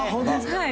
はい。